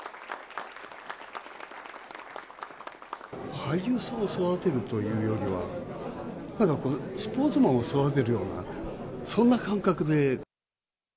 俳優さんを育てるというよりは、スポーツマンを育てるような、そんな感覚で。